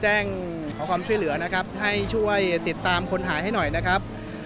แจ้งขอความช่วยเหลือนะครับให้ช่วยติดตามคนหายให้หน่อยนะครับ